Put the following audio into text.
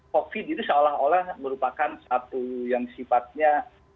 covid itu seolah olah merupakan satu yang sifatnya